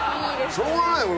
しょうがないよ！